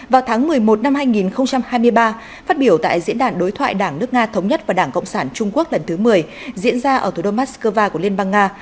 vào tháng một mươi một năm hai nghìn hai mươi ba phát biểu tại diễn đàn đối thoại đảng nước nga thống nhất và đảng cộng sản trung quốc lần thứ một mươi diễn ra ở thủ đô moscow của liên bang nga